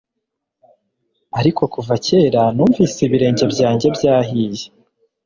Ariko kuva kera numvise ibirenge byanjye byahiye